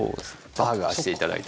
バーガーして頂いて。